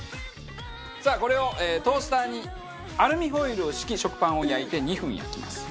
さあこれをトースターにアルミホイルを敷き食パンを焼いて２分焼きます。